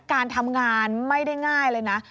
การทำงานไม่ได้ง่ายเลยนะ